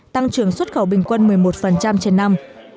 tăng trưởng xuất khẩu bình quân một mươi một trên năm